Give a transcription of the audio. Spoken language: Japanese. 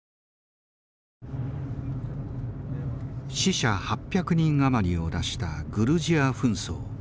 死者８００人余りを出したグルジア紛争。